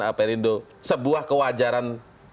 apr indo sebuah kewajaran